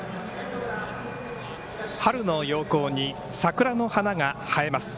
春の陽光に桜の花が映えます。